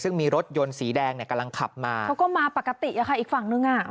ซึ่งมีรถยนต์สีแดงเนี่ยกำลังขับมาเขาก็มาปกติอะค่ะอีกฝั่งนึงอ่ะ